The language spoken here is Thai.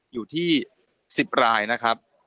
อยู่ที่๑๐รายนะครับ